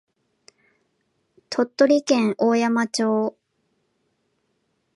鳥取県大山町